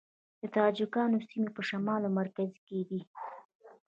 د تاجکانو سیمې په شمال او مرکز کې دي